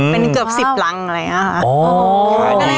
เป็นเกือบ๑๐รังอะไรอย่างนี้ค่ะ